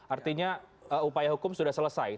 artinya upaya hukum sudah selesai